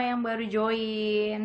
yang baru join